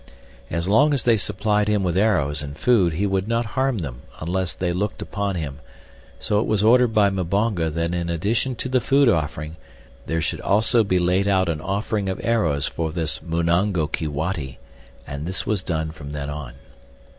As long as they supplied him with arrows and food he would not harm them unless they looked upon him, so it was ordered by Mbonga that in addition to the food offering there should also be laid out an offering of arrows for this Munan go Keewati, and this was done from then on.